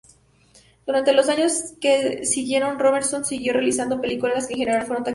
Durante los años que siguieron Robertson siguió realizando películas que en general fueron taquilleras.